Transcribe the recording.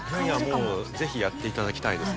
ぜひやっていただきたいですね。